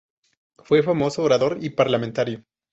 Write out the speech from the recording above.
Fue famoso orador y parlamentario.